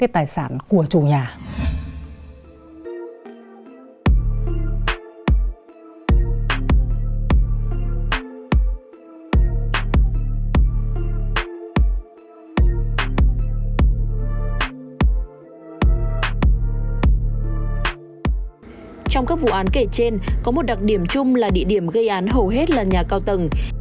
trong các vụ án kể trên có một đặc điểm chung là địa điểm gây án hầu hết là nhà cao tầng